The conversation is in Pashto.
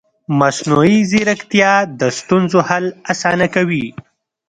مصنوعي ځیرکتیا د ستونزو حل اسانه کوي.